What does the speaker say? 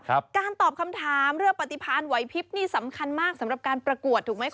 การตอบคำถามเรื่องประติภาณไหวภิกกฎ์นี่สำคัญมากสำหรับการประกวดถูกไหมคุณ